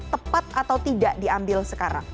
tepat atau tidak diambil sekarang